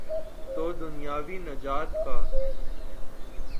تو دنیاوی نجات کا۔